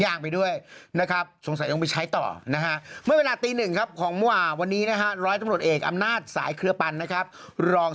แอ๊งจี้น่ารักว่ะแอ๊งจี้ขอบคุณเขาหรือยัง